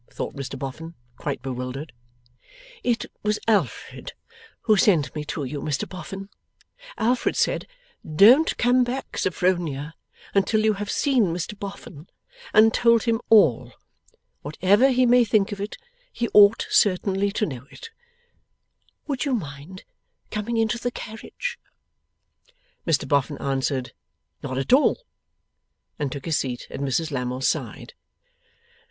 thought Mr Boffin, quite bewildered.) 'It was Alfred who sent me to you, Mr Boffin. Alfred said, "Don't come back, Sophronia, until you have seen Mr Boffin, and told him all. Whatever he may think of it, he ought certainly to know it." Would you mind coming into the carriage?' Mr Boffin answered, 'Not at all,' and took his seat at Mrs Lammle's side.